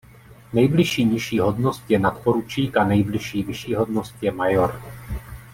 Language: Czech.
Nejbližší nižší hodnost je nadporučík a nejbližší vyšší hodnost je major.